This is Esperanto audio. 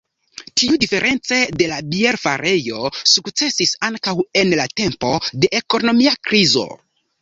Tiu, diference de la bierfarejo, sukcesis ankaŭ en la tempo de ekonomia krizo.